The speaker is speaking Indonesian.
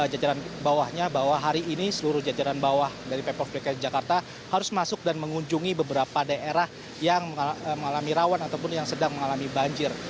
jajaran bawahnya bahwa hari ini seluruh jajaran bawah dari pemprov dki jakarta harus masuk dan mengunjungi beberapa daerah yang mengalami rawan ataupun yang sedang mengalami banjir